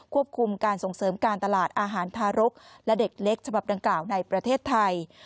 ควบคุมการส่งเสริมการตลาดอาหารทารกและเด็กเล็กฉบับดังกล่าวในประเทศไทย